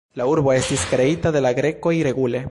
La urbo estis kreita de la grekoj regule.